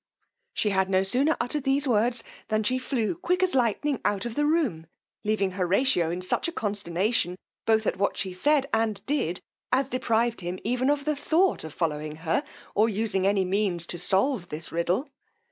She had no sooner uttered these words than she flew quick as lightning out of the room, leaving Horatio in such a consternation both at what she said and did, as deprived him even of the thought of following her, or using any means to solve this riddle.